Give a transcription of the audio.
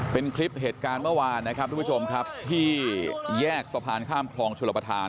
เป็นคลิปเหตุการณ์เมื่อวานนะครับทุกผู้ชมครับที่แยกสะพานข้ามคลองชลประธาน